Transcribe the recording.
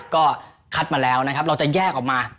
ก็คัดมาแล้วนะครับเราจะแยกออกมา